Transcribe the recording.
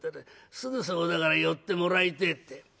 すぐそこだから寄ってもらいてえって。